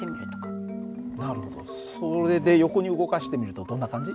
それで横に動かしてみるとどんな感じ？